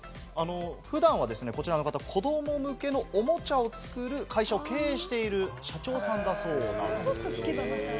普段は子ども向けのおもちゃを作る会社を経営している社長さんだそうです。